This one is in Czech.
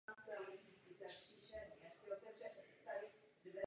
Já jsem to teď udělal ručně, ale automatizovat ten proces jde v pohodě.